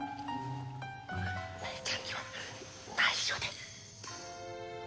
姉ちゃんには内緒で。